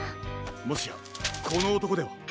もしやこのおとこでは？